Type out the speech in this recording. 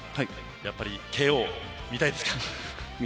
やっぱりＫＯを見たいですか。